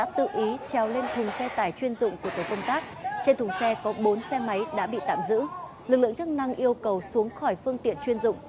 trên thùng xe có bốn xe máy đã bị tạm giữ lực lượng chức năng yêu cầu xuống khỏi phương tiện chuyên dụng